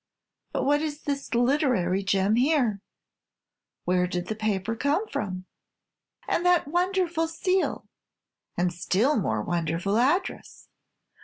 But what is this literary gem here? Where did the paper come from? And that wonderful seal, and still more wonderful address?